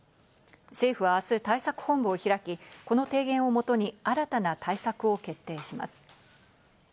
政府は明日、対策本部を開き、この提言をもとに新たな対策を決定します。